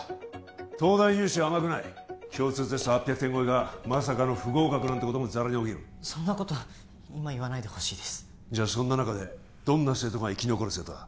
東大入試は甘くない共通テスト８００点超えがまさかの不合格なんてこともざらに起きるそんなこと今言わないでほしいですじゃあそんな中でどんな生徒が生き残る生徒だ？